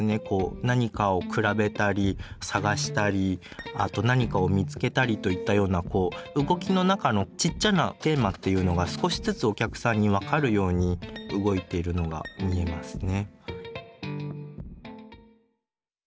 何かを比べたり探したりあと何かを見つけたりといったような動きの中のちっちゃなテーマっていうのが少しずつお客さんに分かるように動いているのが見えますね。